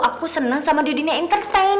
aku senang sama di dunia entertain